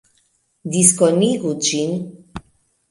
Diskonigu ĝin